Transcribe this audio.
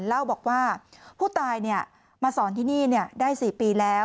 เล่าบอกว่าผู้ตายมาสอนที่นี่ได้๔ปีแล้ว